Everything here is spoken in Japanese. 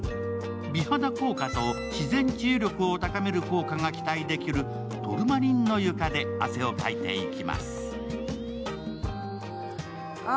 美肌効果と自然治癒力を高める効果が期待できるトルマリンの床で汗をかいていきます。